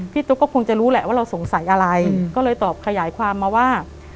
ตุ๊กก็คงจะรู้แหละว่าเราสงสัยอะไรก็เลยตอบขยายความมาว่า